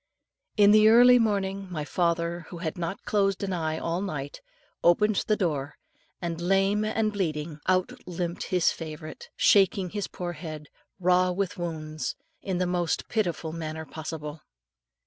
Early in the morning, my father, who had not closed an eye all the night, opened the door, and, lame and bleeding, out limped his old favourite, shaking his poor head raw with wounds in the most pitiful manner possible.